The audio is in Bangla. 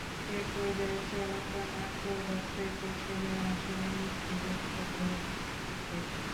একপর্যায়ে চলন্ত মাইক্রোবাসের পেছনের আসনের নিচ থেকে হঠাৎ ধোঁয়া বের হতে দেখি।